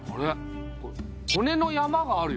骨の山があるよね？